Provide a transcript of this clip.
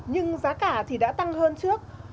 nhưng giá cả thì đã tăng hơn trước